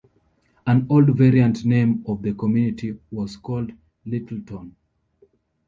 An old variant name of the community was called Littleton.